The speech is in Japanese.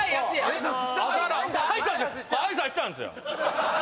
⁉挨拶したんですよ。